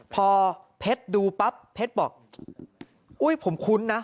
พอเพชรดูปั๊บเพชรบอกอุ้ยผมคุ้นนะ